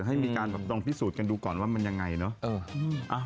ให้มีการแบบลองพิสูจน์กันดูก่อนว่ามันยังไงเนอะ